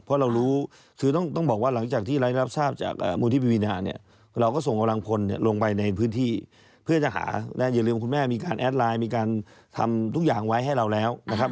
เพราะเรารู้คือต้องบอกว่าหลังจากที่เราได้รับทราบจากมูลที่ปวีนาเนี่ยเราก็ส่งกำลังพลลงไปในพื้นที่เพื่อจะหาอย่าลืมว่าคุณแม่มีการแอดไลน์มีการทำทุกอย่างไว้ให้เราแล้วนะครับ